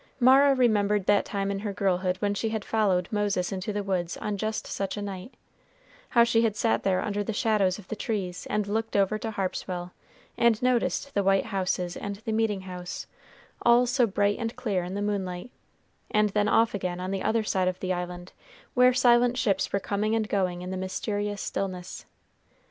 Mara remembered that time in her girlhood when she had followed Moses into the woods on just such a night, how she had sat there under the shadows of the trees, and looked over to Harpswell and noticed the white houses and the meeting house, all so bright and clear in the moonlight, and then off again on the other side of the island where silent ships were coming and going in the mysterious stillness.